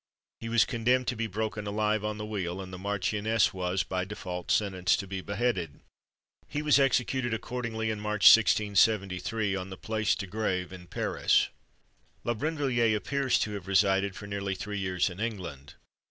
He was condemned to be broken alive on the wheel, and the marchioness was, by default, sentenced to be beheaded. He was executed accordingly, in March 1673, on the Place de Grève, in Paris. La Brinvilliers appears to have resided for nearly three years in England.